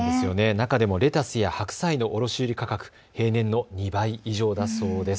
中でもレタスや白菜の卸売価格、平年の２倍以上だそうです。